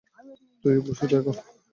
তুইও খুশি তো এখন।